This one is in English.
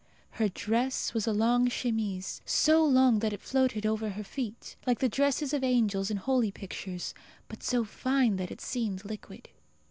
Her dress was a long chemise so long that it floated over her feet, like the dresses of angels in holy pictures; but so fine that it seemed liquid.